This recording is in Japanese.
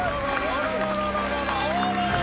あらららら！